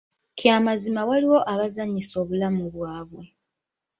Kya mazima waliwo abazanyisa obulamu bwabwe.